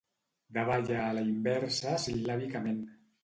Davalla a la inversa sil·làbicament.